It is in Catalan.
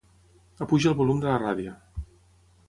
Apuja el volum de la ràdio.